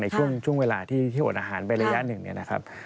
ช่วงเวลาที่อดอาหารไประยะหนึ่งเนี่ยนะครับ